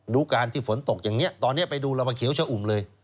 ดูการที่ฝนตกอย่างนี้ตอนนี้ไปดูเรามาเขียวชะอุ่มเลย